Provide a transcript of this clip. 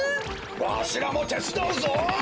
わしらもてつだうぞ！